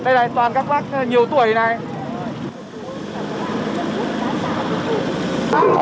đây này toàn các bác nhiều tuổi này